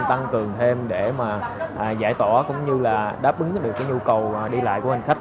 tăng cường thêm để giải tỏa cũng như là đáp ứng được nhu cầu đi lại của hành khách